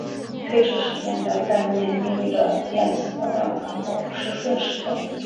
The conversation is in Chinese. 推迟时间的概念意味着电磁波的传播不是瞬时的。